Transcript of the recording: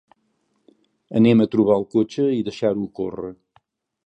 Anem a trobar el cotxe i deixa-ho corre.